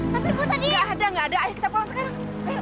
tapi ibu tadi gak ada gak ada ayo kita pulang sekarang